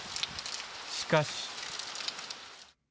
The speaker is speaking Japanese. しかし。